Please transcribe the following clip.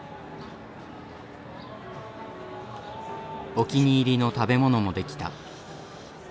お気に入りの食べ物もできた。